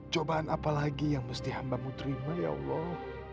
cobaan apa lagi yang mesti hambamu terima ya allah